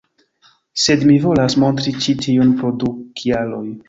Sed mi volas montri ĉi tiun pro du kialoj